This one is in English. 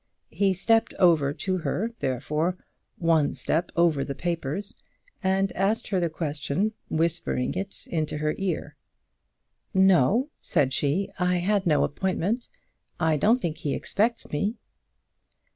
He stepped over to her, therefore, one step over the papers, and asked her the question, whispering it into her ear. "No," said she, "I had no appointment. I don't think he expects me."